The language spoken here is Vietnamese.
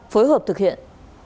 phối hợp thực hiện